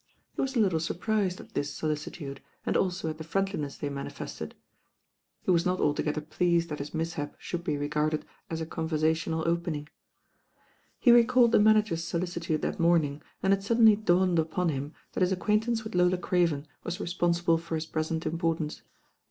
He wa" 165 166 THE RAIN GIRL ! a little surprised at this solicitude, and also at the friendliness they manifested. He was not altogether pleased that his mishap should be regarded as a con versational opening. He recalled the manager's solicitude that morn ing, and it suddenly dawned upon him that his acquaintance with Lola Craven was responsible for his present Importance.